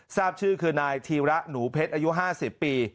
ทราบชื่อคือนายธีระหนูเพชรอายุ๕๐ปี